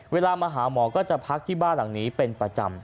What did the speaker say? เวลามาหาหมอก็จะพักที่บ้านหลังนี้เป็นประจำ